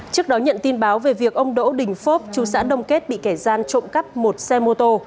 trước đó nhận tin báo về việc ông đỗ đình phốp chú xã đồng kết bị kẻ gian trộm cắp một xe mô tô